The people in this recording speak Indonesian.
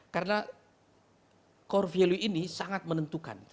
karena core value ini sangat menentukan